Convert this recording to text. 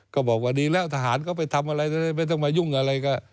ก็บอกว่าดีแล้วทหารก็ไปทำอะไรไม่ต้องมายุ่งอะไรก็